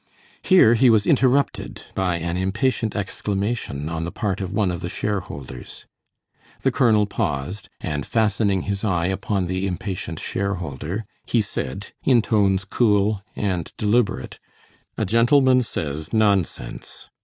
Here he was interrupted by an impatient exclamation on the part of one of the share holders. The colonel paused, and fastening his eye upon the impatient share holder, he said, in tones cool and deliberate: "A gentleman says, 'Nonsense!'